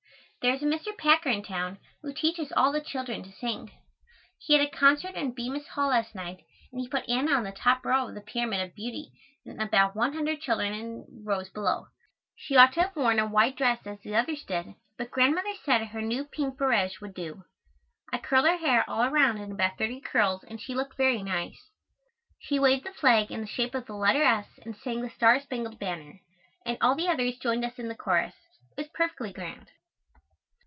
There is a Mr. Packer in town, who teaches all the children to sing. He had a concert in Bemis Hall last night and he put Anna on the top row of the pyramid of beauty and about one hundred children in rows below. She ought to have worn a white dress as the others did but Grandmother said her new pink barège would do. I curled her hair all around in about thirty curls and she looked very nice. She waved the flag in the shape of the letter S and sang "The Star Spangled Banner," and all the others joined in the chorus. It was perfectly grand.